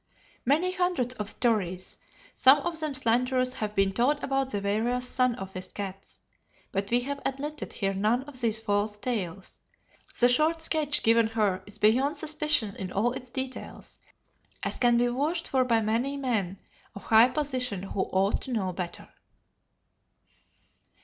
"Many hundreds of stories, some of them slanderous have been told about the various Sun office cats, but we have admitted here none of these false tales. The short sketch given here is beyond suspicion in all its details, as can be vouched for by many men of high position who ought to know better."